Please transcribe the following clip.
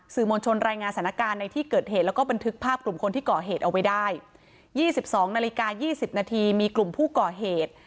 มวลชนรายงานสถานการณ์ในที่เกิดเหตุแล้วก็บันทึกภาพกลุ่มคนที่ก่อเหตุเอาไว้ได้๒๒นาฬิกา๒๐นาทีมีกลุ่มผู้ก่อเหตุ